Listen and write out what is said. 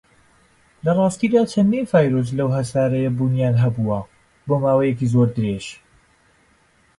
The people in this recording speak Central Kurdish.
لەڕاستیدا، چەندین ڤایرۆس لەو هەسارەیە بوونیان هەبووە بۆ ماوەیەکی زۆر درێژ.